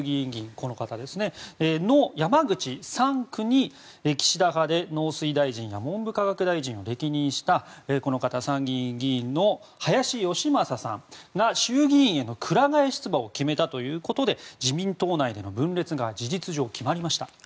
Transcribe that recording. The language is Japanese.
この方の山口３区に岸田派で農水大臣や文部科学大臣を歴任したこの方参議院議員の林芳正さんが衆議院へのくら替え出馬を決めたということで自民党内での分裂が事実上、決まりました。